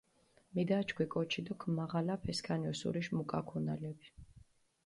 მიდაჩქვი კოჩი დო ქჷმაღალაფე სქანი ოსურიში მუკაქუნალეფი.